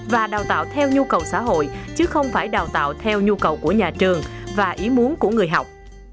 và đào tạo theo nhu cầu xã hội chứ không phải đào tạo theo nhu cầu của nhà trường và ý muốn của người học